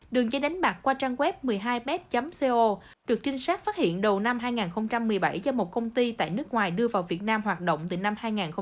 đường dây đánh bạc qua trang web một mươi hai bet co được trinh sát phát hiện đầu năm hai nghìn một mươi bảy do một công ty tại nước ngoài đưa vào việt nam hoạt động từ năm hai nghìn một mươi bảy